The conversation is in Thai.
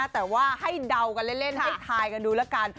แต่ว่าให้เดากันเล่นให้ทายกันดูแล้วกัน